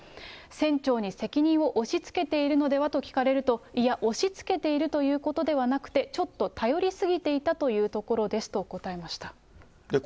船長に責任を押しつけているのではと聞かれると、いや、押しつけているということではなくて、ちょっと頼りすぎていたというところですと答えました。